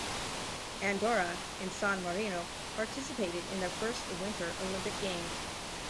Andorra and San Marino participated in their first Winter Olympic Games.